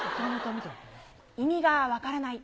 意味が分からない？